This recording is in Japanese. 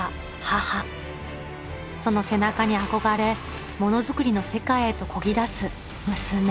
その背中に憧れものづくりの世界へとこぎだす娘。